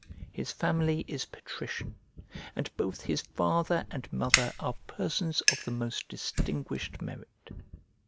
His family is patrician, and both his father and mother are persons of the most distinguished merit.